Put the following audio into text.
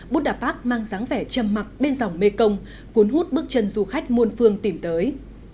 budapark mang dáng vẻ chầm mặc bên dòng mekong cuốn hút bước chân du khách muôn phương tìm tới